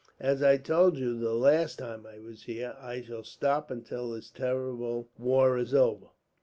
As I told you the last time I was here, I shall stop until this terrible war is over.